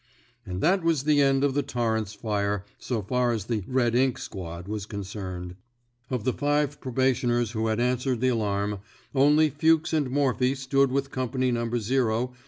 And that was the end of the Torrance fire, so far as the red ink squad" was concerned. Of the five probationers who had answered 31 ( THE SMOKE EATERS the alarm, only Fuchs and Morphy stood with Company No.